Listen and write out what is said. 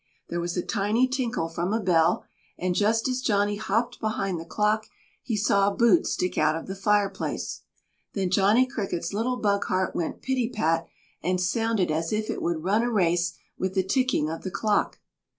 There was a tiny tinkle from a bell and, just as Johnny hopped behind the clock, he saw a boot stick out of the fireplace. Then Johnny Cricket's little bug heart went pitty pat, and sounded as if it would run a race with the ticking of the clock.